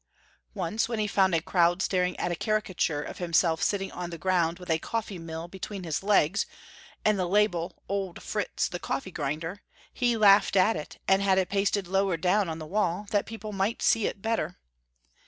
Once when he found a crowd staring at a caricature of himself sitting on the ground with a coffee mill between his legs, and the label, " Old Fritz, the coffee grinder," he laughed at it, and had it pasted lower down on the wall that the people might see it better.